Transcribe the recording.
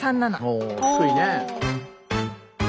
お低いね！